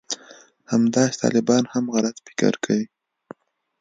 همداسې طالبان هم غلط فکر کوي